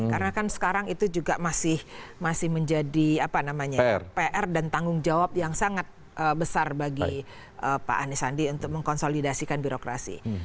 karena kan sekarang itu juga masih menjadi pr dan tanggung jawab yang sangat besar bagi pak anies andi untuk mengkonsolidasikan birokrasi